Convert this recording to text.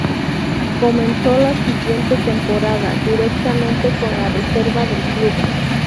Comenzó la siguiente temporada directamente con la reserva del club.